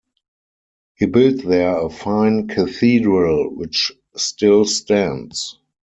He built there a fine cathedral, which still stands.